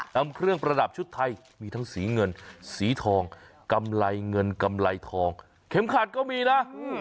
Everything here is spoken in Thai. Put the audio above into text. นำเครื่องประดับชุดไทยมีทั้งสีเงินสีทองกำไรเงินกำไรทองเข็มขัดก็มีนะ